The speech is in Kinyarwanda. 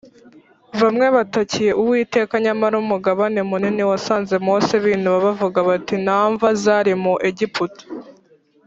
bamwe batakiye uwiteka nyamara umugabane munini wasanze mose binuba bavuga bati: “nta mva zari mu egiputa,